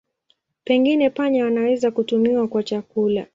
Pengine panya wanaweza kutumiwa kwa chakula.